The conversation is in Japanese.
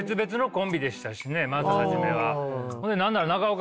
まず初めは。